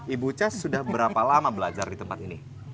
ibu cas sudah berapa lama belajar di tempat ini